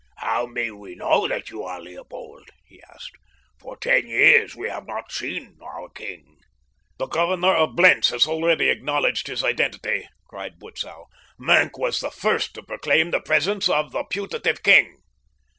"How may we know that you are Leopold?" he asked. "For ten years we have not seen our king." "The governor of Blentz has already acknowledged his identity," cried Butzow. "Maenck was the first to proclaim the presence of the putative king."